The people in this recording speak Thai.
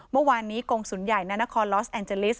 เมื่อวานนี้กรงศูนย์ใหญ่นานครลอสแอนเจลิส